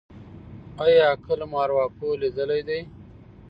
ایا کله مو ارواپوه لیدلی دی؟